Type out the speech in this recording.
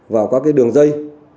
vào các cái đường dây